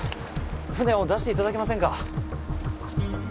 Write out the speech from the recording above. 船を出していただけませんか？